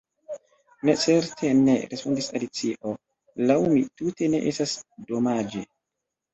"Ne, certe ne!" respondis Alicio. "Laŭ mi tute ne estas domaĝe. »